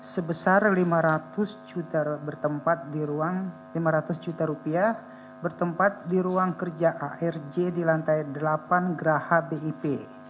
sebesar lima ratus juta rupiah bertempat di ruang kerja arj di lantai delapan geraha bip